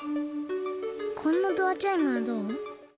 こんなドアチャイムはどう？